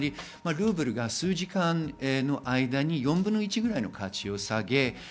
ルーブルが数時間の間に４分の１ぐらいの価値を下げ